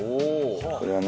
これはね